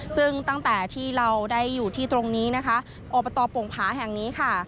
ซึ่งตั้งแต่ที่เราได้อยู่ที่ตรงนี้นะคะอบตโป่งผาแห่งนี้ค่ะ